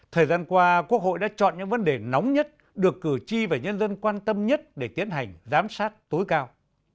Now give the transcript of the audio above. thời gian qua quốc hội đã chọn những vấn đề nóng nhất được cử tri và nhân dân quan tâm nhất để tiến hành giám sát tối cao